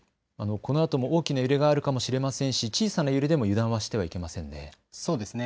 このあとも大きな揺れがあるかもしれませんし小さな揺れでも油断をしてはいけませんね。